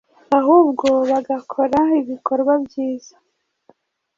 ahubwo bagakora ibikorwa.byiza